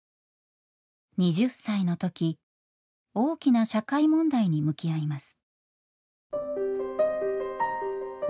２０歳の時大きな社会問題に向き合います。